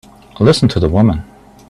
Listen to the woman!